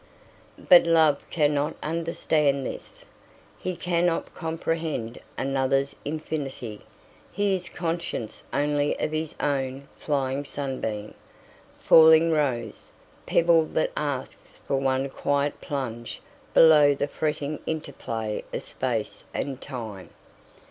But Love cannot understand this. He cannot comprehend another's infinity; he is conscious only of his own flying sunbeam, falling rose, pebble that asks for one quiet plunge below the fretting interplay of space and time.